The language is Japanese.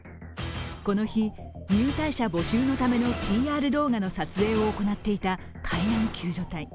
この日、入隊者募集のためのＰＲ動画の撮影を行っていた海難救助隊。